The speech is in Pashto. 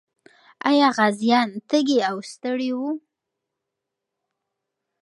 آیا غازیان تږي او ستړي وو؟